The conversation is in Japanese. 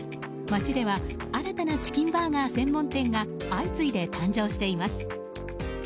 街では新たなチキンバーガー専門店が相次いで誕生しています。